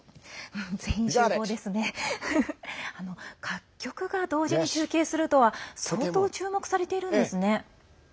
各局が同時に中継するとは相当、注目されているんですね。